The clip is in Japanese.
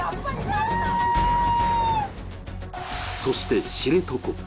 そして、知床。